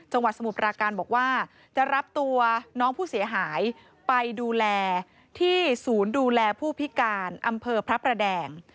สมุทรปราการบอกว่าจะรับตัวน้องผู้เสียหายไปดูแลที่ศูนย์ดูแลผู้พิการอำเภอพระประแดง